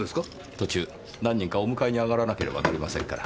途中何人かお迎えに上がらなければなりませんから。